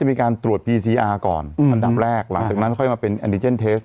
หลังจากนั้นก็มาเป็นอันติเจนเทสต์